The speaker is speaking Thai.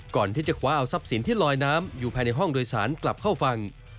ก่อนที่จะคว้าเอาทรัพย์สินที่ลอยน้ำอยู่ภายในห้องโดยสารกลับเข้าฝั่ง